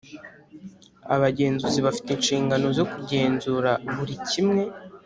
Abagenzuzi bafite inshingano zo kugenzura buri kimwe